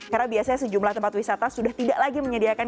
karena biasanya sejumlah tempat wisata sudah tidak lagi menyediakan